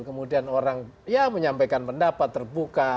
kemudian orang ya menyampaikan pendapat terbuka